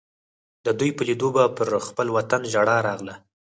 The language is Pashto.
د دوی په لیدو به پر خپل وطن ژړا راغله.